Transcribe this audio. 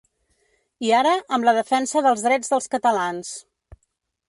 I ara, amb la defensa dels drets dels catalans.